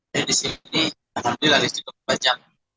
jadi di sini alhamdulillah listriknya panjang